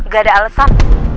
gak ada alesan